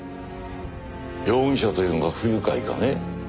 容疑者というのが不愉快かね？